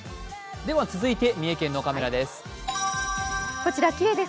続いて三重県のカメラです。